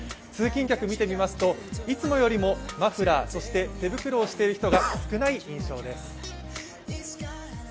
通勤客を見てみますと、いつもよりもマフラー、そして手袋をしている人が少ない印象です。